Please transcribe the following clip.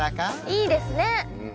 いいですね！